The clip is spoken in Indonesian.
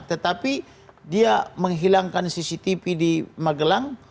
tetapi dia menghilangkan cctv di magelang